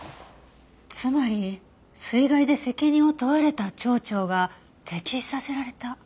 つまり水害で責任を問われた町長が溺死させられた。